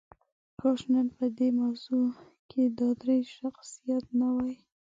کاش نن په دې موضوع کې دا درې شخصیات نه وای.